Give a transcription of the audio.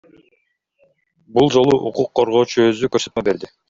Бул жолу укук коргоочу өзү көрсөтмө берди.